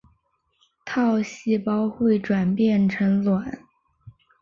套细胞会转变成卵。